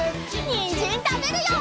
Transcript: にんじんたべるよ！